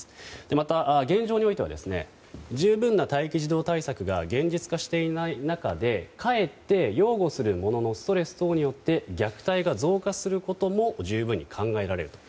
また、現状においては十分な待機児童対策が現実化していない中でかえって養護する者のストレス等によって虐待が増加することも十分に考えられると。